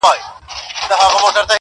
په نړۍ کي داسي ستونزي پیدا کېږي!.